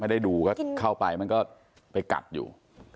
ได้ดูก็เข้าไปมันก็ไปกัดอยู่